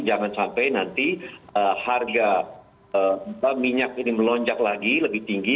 jangan sampai nanti harga minyak ini melonjak lagi lebih tinggi